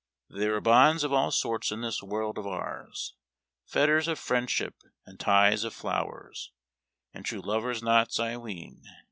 There are bonds of all sorts in this world of ours, Fetters of friendship and ties of tlowers, And true lover's knots, I ween.